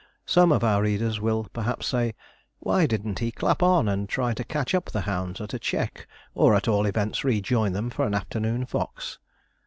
Some of our readers will, perhaps, say, why didn't he clap on, and try to catch up the hounds at a check, or at all events rejoin them for an afternoon fox?